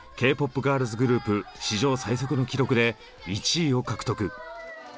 ガールズグループ史上最速の記録で１位を獲得。